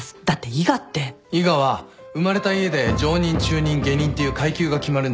伊賀は生まれた家で上忍中忍下忍っていう階級が決まるんです。